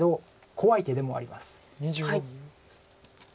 怖い手でもあります。